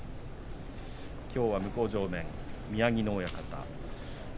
きょうは向正面、宮城野親方。